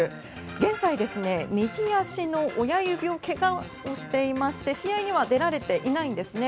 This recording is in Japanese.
現在、右足の親指をけがしていまして試合には出られていないんですね。